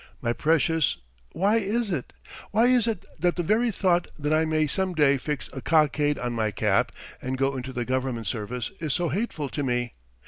My precious, why is it? Why is it that the very thought that I may some day fix a cockade on my cap and go into the government service is so hateful to me?